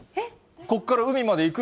ここから海まで行く？